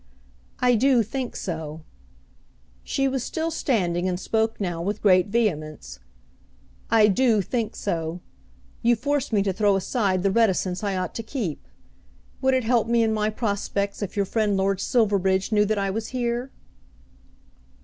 "I do think so." She was still standing and spoke now with great vehemence. "I do think so. You force me to throw aside the reticence I ought to keep. Would it help me in my prospects if your friend Lord Silverbridge knew that I was here?"